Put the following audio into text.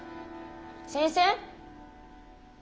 先生？